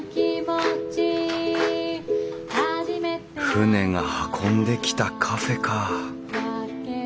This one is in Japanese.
船が運んできたカフェか。